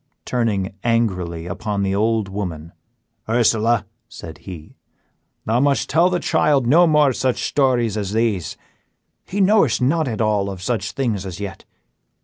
Turning angrily upon the old woman, "Ursela," said he, "thou must tell the child no more such stories as these; he knowest not at all of such things as yet.